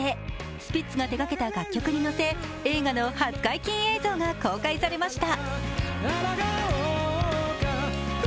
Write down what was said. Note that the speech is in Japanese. スピッツが手がけた楽曲に乗せ映画の初解禁映像が公開されました。